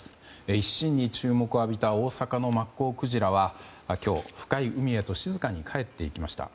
一身に注目を浴びた大阪のマッコウクジラは今日、深い海へと静かにかえっていきました。